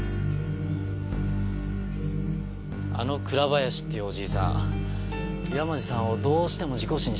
あの倉林っていうおじいさん山路さんをどうしても事故死にしたいみたいですね。